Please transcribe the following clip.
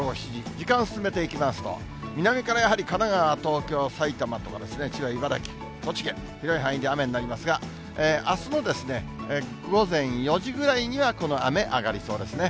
時間進めていきますと、南からやはり神奈川、東京、埼玉とか、千葉、茨城、栃木県、広い範囲で雨になりますが、あすの午前４時ぐらいにはこの雨、上がりそうですね。